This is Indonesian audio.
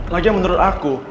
lagian menurut aku